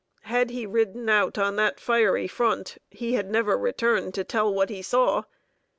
Had he ridden out on that fiery front, he had never returned to tell what he saw.